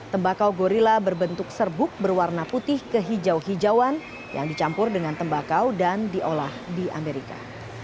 tembakau gorilla berbentuk serbuk berwarna putih kehijau hijauan yang dicampur dengan tembakau dan diolah di amerika